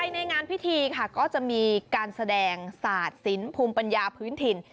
ในงานพิธีค่ะก็จะมีการแสดงศาสตร์ศิลป์ภูมิปัญญาพื้นถิ่น